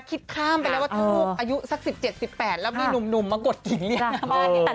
คิดข้ามไปแล้วว่าถ้าลูกอายุสัก๑๗๑๘แล้วมีหนุ่มมากดกิ่งเรียกหน้าบ้าน